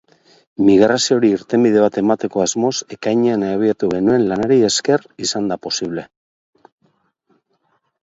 Migrazioari irtenbide bat emateko asmoz ekainean abiatu genuen lanari esker izan da posible.